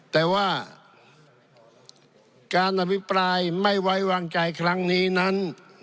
แต่ว่าการอภิปรายไม่ไว้วางใจครั้งนี้นั้น